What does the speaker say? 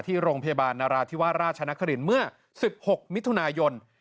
ที่โรงพยาบาลนราธิวาสราชนครินทร์เมื่อ๑๖มิถุนายน